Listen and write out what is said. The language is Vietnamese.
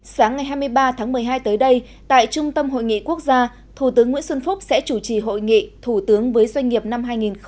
sáng ngày hai mươi ba tháng một mươi hai tới đây tại trung tâm hội nghị quốc gia thủ tướng nguyễn xuân phúc sẽ chủ trì hội nghị thủ tướng với doanh nghiệp năm hai nghìn một mươi chín